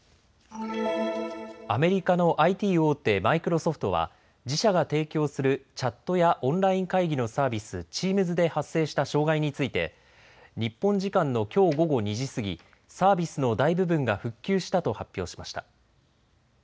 アメリカのＩＴ大手、マイクロソフトは自社が提供するチャットやオンライン会議のサービス、チームズで発生した障害について日本時間のきょう午後２時過ぎ、サービスの大部分が復旧したと発表しました。